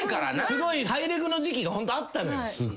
すごいハイレグの時期がホントあったのよ。